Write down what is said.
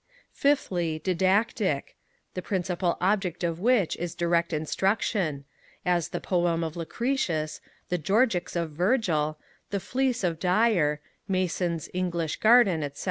5thly, Didactic, the principal object of which is direct instruction; as the Poem of Lucretius, the Georgics of Virgil, The Fleece of Dyer, Mason's English Garden, &c.